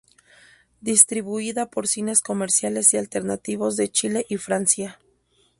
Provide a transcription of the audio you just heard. Distribuida por cines comerciales y alternativos de Chile y Francia.